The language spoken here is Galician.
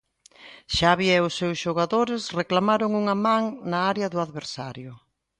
Xavi e os seus xogadores reclamaron unha man na área do adversario.